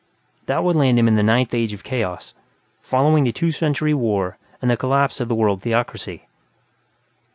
That would land him in the Ninth Age of Chaos, following the Two Century War and the collapse of the World Theocracy.